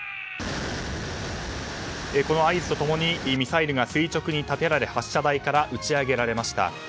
合図と共にミサイルが垂直に立てられ発射台から打ち上げられました。